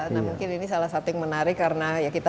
nah mungkin ini salah satu yang menarik karena ya kita